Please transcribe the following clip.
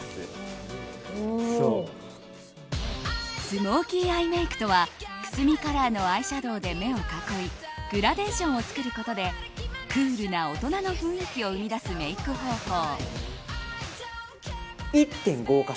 スモーキーアイメイクとはくすみカラーのアイシャドーで目を囲いグラデーションを作ることでクールな大人の雰囲気を生み出すメイク方法。